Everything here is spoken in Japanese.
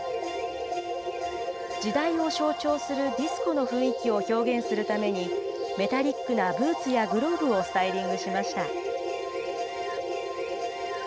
時代を象徴するディスコの雰囲気を表現するために、メタリックなブーツやグローブをスタイリングしました。